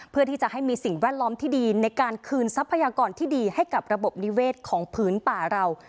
เพื่อที่จะให้มีสิ่งแวดล้อมที่ดีในการคืนทรัพยากรที่ดีให้กับระบบนิเวศของพื้นป่าเรา